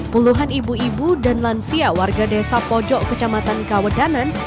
puluhan ibu ibu dan lansia warga desa pojok kecamatan kawedanan